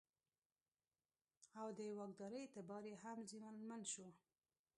او د واکدارۍ اعتبار یې هم زیانمن شو.